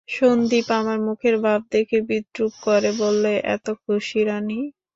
সন্দীপ আমার মুখের ভাব দেখে বিদ্রূপ করে বললে, এত খুশি রানী?